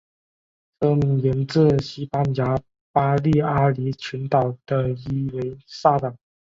车名源自西班牙巴利阿里群岛的伊维萨岛。